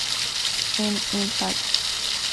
En Impact!